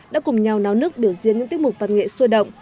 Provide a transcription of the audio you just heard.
đã cùng nhau náo nước biểu diễn những tiết mục văn nghệ xua động